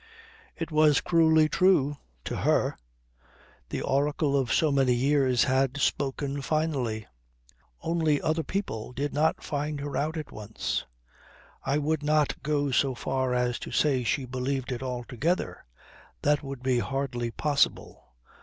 It was cruelly true to her. The oracle of so many years had spoken finally. Only other people did not find her out at once ... I would not go so far as to say she believed it altogether. That would be hardly possible.